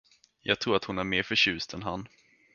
Jag tror att hon är mer förtjust än han.